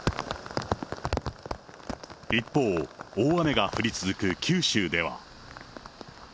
一方、大雨が降り続く九州では。